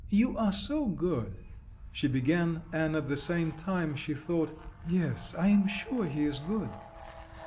"You are so good," she began, and at the same time, she thought: "Yes, I am sure he is good"...